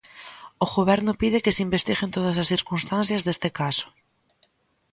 O Goberno pide que se investiguen todas as circunstancias deste caso.